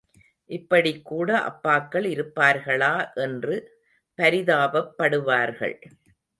இப்படிக்கூட அப்பாக்கள் இருப்பார்களா என்று பரிதாபப்படுவார்கள்.